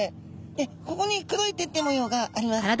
でここに黒い点々模様があります。